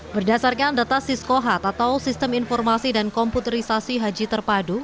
berdasarkan data siskohat atau sistem informasi dan komputerisasi haji terpadu